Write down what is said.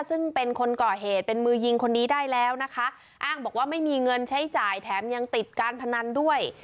ซึ่งเป็นคนก่อเหตุเป็นมือยิงคนนี้ได้แล้วนะคะอ้างบอกว่าไม่มีเงินใช้จ่ายแถมยังติดการพนันด้วย